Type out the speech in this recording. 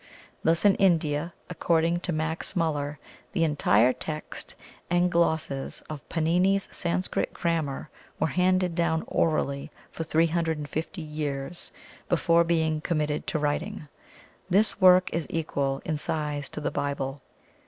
Thus in India, according to MAX MULLER, the entire text and glosses of PANINI'S Sanskrit grammar were handed down orally for 350 years before being committed to writing. This work is about equal in size to the Bible.